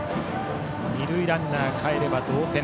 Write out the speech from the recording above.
二塁ランナーかえれば同点。